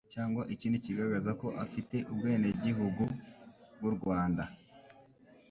cyangwa ikindi kigaragaza ko afite ubwenegihugu bw'u Rwanda,